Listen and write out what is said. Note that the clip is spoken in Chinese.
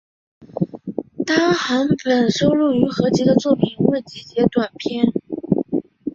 单行本收录于合集的作品未集结短篇